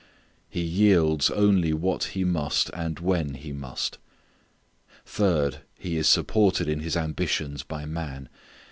He yields only what he must and when he must. Third, he is supported in his ambitions by man.